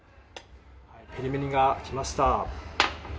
ペリメニが来ました。